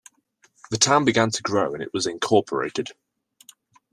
The town began to grow and it was incorporated.